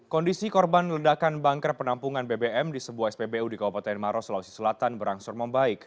kondisi korban ledakan bangker penampungan bbm di sebuah spbu di kabupaten maros sulawesi selatan berangsur membaik